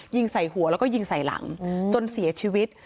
ยิงใส่หัวแล้วก็ยิงใส่หลังจนเสียชีวิต